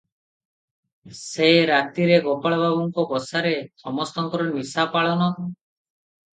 ସେ ରାତିରେ ଗୋପାଳ ବାବୁଙ୍କ ବସାରେ ସମସ୍ତଙ୍କର ନିଶାପାଳନ ।